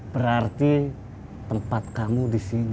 berarti tempat kamu disini